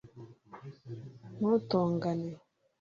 ntutongane